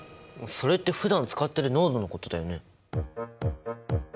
それってふだん使っている濃度のことだよね？